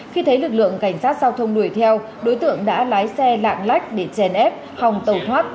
khi thấy lực lượng cảnh sát giao thông đuổi theo đối tượng đã lái xe lạng lách để chèn ép hòng tàu thoát